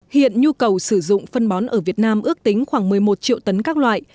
hiện nhu cầu sử dụng phân bón ở việt nam ước tính khoảng một mươi một triệu tấn các loại